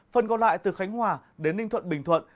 phần còn lại từ khánh hòa đến ninh thuận bình thuận